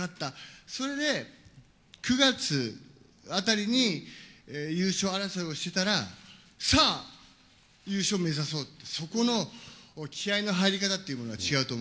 それで９月あたりに優勝争いをしてたら、さあ、優勝目指そうって、そこの気合いの入り方っていうものが違うと思